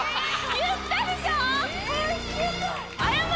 言ったでしょ！？